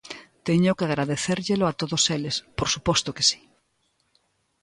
Teño que agradecérllelo a todos eles, por suposto que si.